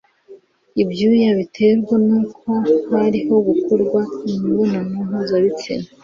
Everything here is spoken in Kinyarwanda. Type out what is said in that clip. Ibyuya biterwa n'uko hariho gukorwa imibonano mpuzabitsina,